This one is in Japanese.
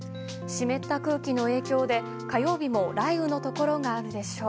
湿った空気の影響で火曜日も雷雨のところがあるでしょう。